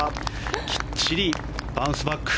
きっちりバウンスバック。